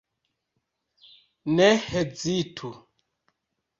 Ne hezitu.